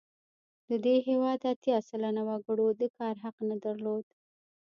د دې هېواد اتیا سلنه وګړو د کار حق نه درلود.